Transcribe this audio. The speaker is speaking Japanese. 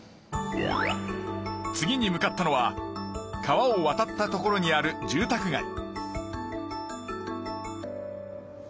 次に向かったのは川を渡った所にある住宅街。